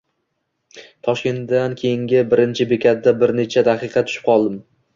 Toshkentdan keyingi birinchi bekatda bir necha daqiqa tushib qoldim.